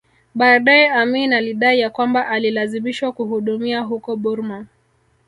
Baadae Amin alidai ya kwamba alilazimishwa kuhudumia huko Burma